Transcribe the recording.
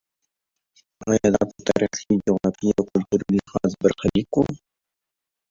ایا دا په تاریخي، جغرافیایي او کلتوري لحاظ برخلیک و.